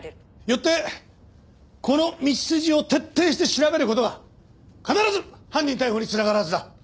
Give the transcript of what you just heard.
よってこの道筋を徹底して調べる事が必ず犯人逮捕に繋がるはずだ。